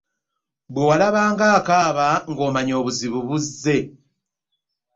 Bwe walabanga akaaba ng'omanya obuzibu buzze.